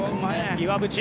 岩渕